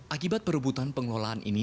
akibat perebutan pengelolaan ini